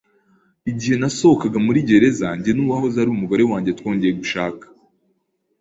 Igihe nasohokaga muri gereza, jye n'uwahoze ari umugore wanjye twongeye gushaka.